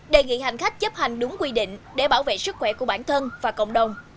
đề nghị hành khách chấp hành đúng quy định để bảo vệ sức khỏe của bản thân và cộng đồng